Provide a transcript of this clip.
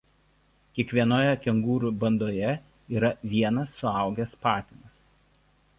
Kiekvienoje kengūrų bandoje yra vienas suaugęs patinas.